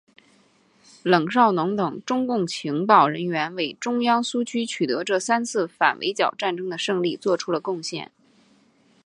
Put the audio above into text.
冷少农等中共情报人员为中央苏区取得这三次反围剿战争的胜利作出了贡献。